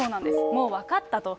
もう分かったと。